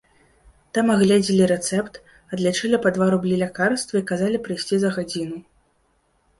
Там агледзелі рэцэпт, адлічылі па два рублі лякарства і казалі прыйсці за гадзіну.